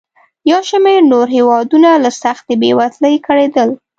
یو شمېر نور هېوادونه له سختې بېوزلۍ کړېدل.